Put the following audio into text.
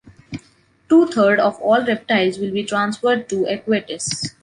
Two third of all reptiles will be transferred to Aquatis.